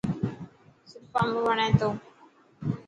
سرف امب وڻي ٿو.